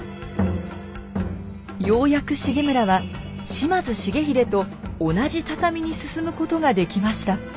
ようやく重村は島津重豪と同じ畳に進むことができました。